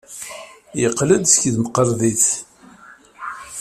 Yeqqel-d seg temkarḍit.